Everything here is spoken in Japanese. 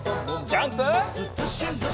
ジャンプ！